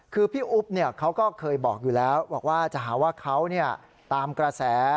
คือพี่อุ๊บเขาก็เคยบอกอยู่แล้วบอกว่าจะหาว่าเขาตามกระแส